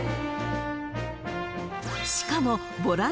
［しかも］